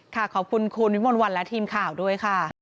ขอบคุณคุณวิมนต์วันและทีมข่าวด้วยค่ะ